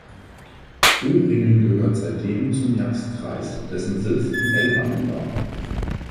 Öhringen gehörte seitdem zum Jagstkreis, dessen Sitz in Ellwangen war.